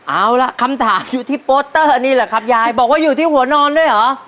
เอาล่ะคำถามอยู่ที่โปสเตอร์นี่แหละครับยายบอกว่าอยู่ที่หัวนอนด้วยเหรอ